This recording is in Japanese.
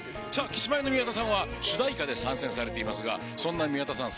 キスマイの宮田さんは主題歌で参戦されていますがそんな宮田さん